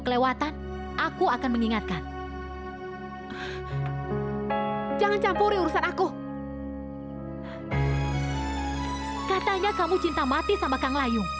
kemana aku harus mencari sang kurian